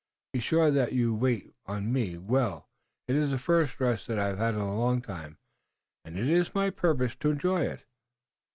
Be sure that you wait on me well. It is the first rest that I have had in a long time, and it is my purpose to enjoy it.